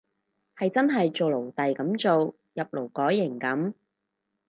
係真係做奴隸噉做，入勞改營噉